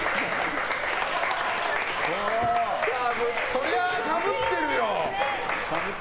そりゃあかぶってるよ。